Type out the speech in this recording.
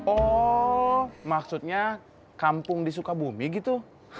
oh maksudnya kampung di sukabumi gitu